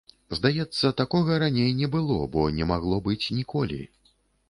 Здаецца, такога раней не было, бо не магло быць ніколі.